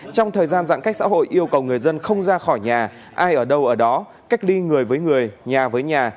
trong thời gian giãn cách xã hội yêu cầu người dân không ra khỏi nhà ai ở đâu ở đó cách ly người với người nhà với nhà